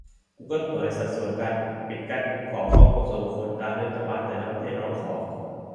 กูเกิลเผยสัดส่วนการปิดกั้น-ขอข้อมูลส่วนบุคคลตามที่รัฐบาลแต่ละประเทศร้องขอ